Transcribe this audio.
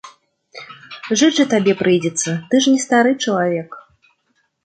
Жыць жа табе прыйдзецца, ты ж не стары чалавек.